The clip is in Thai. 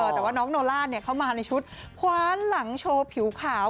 แต่ว่าน้องโนล่าเข้ามาในชุดคว้าหลังโชว์ผิวขาว